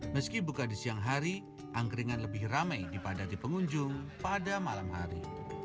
meski buka di siang hari angkringan lebih rame daripada di pengunjung pada malam hari